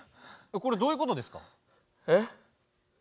これどういうことですか？